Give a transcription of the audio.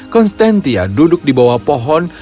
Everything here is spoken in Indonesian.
konstantia duduk di bawah pohon